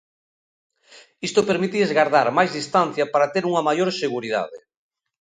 Isto permítelles gardar máis distancia para ter unha maior seguridade.